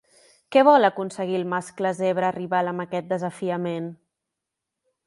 Què vol aconseguir el mascle zebra rival amb aquest desafiament?